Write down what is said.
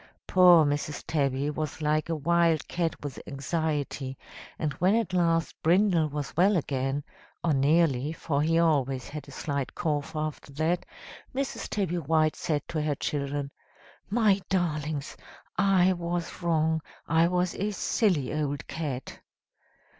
Poor Mrs. Tabby was like a wild cat with anxiety, and when at last Brindle was well again (or nearly, for he always had a slight cough after that), Mrs. Tabby White said to her children, 'My darlings, I was wrong, I was a silly old cat.'